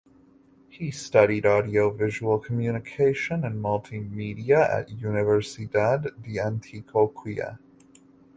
He studied Audiovisual Communication and Multimedia at the Universidad de Antioquia.